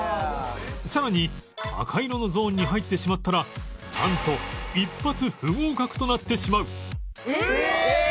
さらに赤色のゾーンに入ってしまったらなんと一発不合格となってしまう